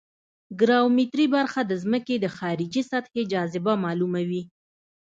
ګراومتري برخه د ځمکې د خارجي ساحې جاذبه معلوموي